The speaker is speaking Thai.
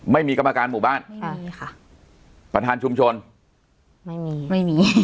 ไม่มีกรรมการหมู่บ้านไม่มีค่ะประธานชุมชนไม่มีไม่มี